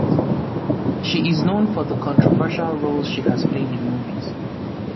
She is known for the controversial roles she has played in movies.